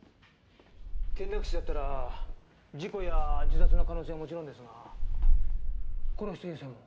転落死だったら事故や自殺の可能性はもちろんですが殺しという線も。